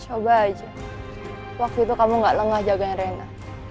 coba aja waktu itu kamu tidak lengah jagain rena